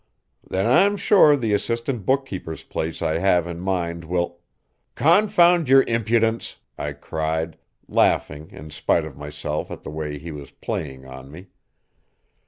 "Then I'm sure the assistant bookkeeper's place I have in mind will " "Confound your impudence!" I cried, laughing in spite of myself at the way he was playing on me.